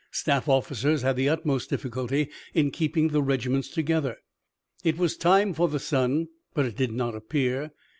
Staff officers had the utmost difficulty in keeping the regiments together. It was time for the sun, but it did not appear.